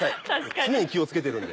常に気を付けてるんで。